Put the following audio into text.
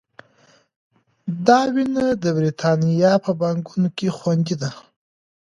دا وینه د بریتانیا په بانکونو کې خوندي ده.